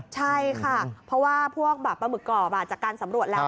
ใช่ค่ะเพราะว่าพวกปลาหมึกกรอบจากการสำรวจแล้ว